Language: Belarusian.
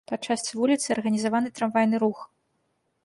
Па частцы вуліцы арганізаваны трамвайны рух.